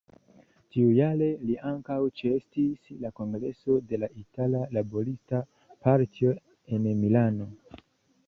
Tiujare li ankaŭ ĉeestis la kongreson de la Itala Laborista Partio en Milano.